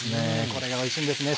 これがおいしいんですね